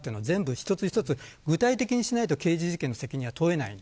一つ一つ具体的にしないと刑事事件の責任は問えません。